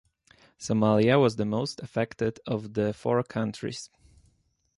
Somalia was the most affected of the four countries.